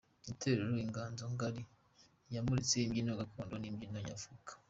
Itorero Inganzo Ngari ryamuritse imbyino gakondo n’imbyino Nyafurika.